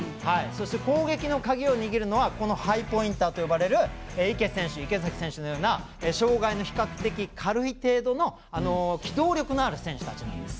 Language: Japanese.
攻撃の鍵を握るのはこのハイポインターと呼ばれる池選手、池崎選手のような障がいの比較的軽い程度の機動力のある選手たちなんです。